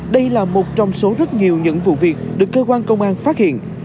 đây là một trong số rất nhiều những vụ việc được cơ quan công an phát hiện